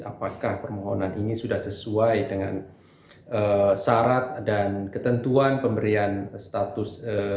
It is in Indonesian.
apakah permohonan ini sudah sesuai dengan syarat dan ketentuan pemberian status